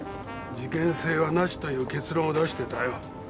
「事件性はなし」という結論を出してたよ。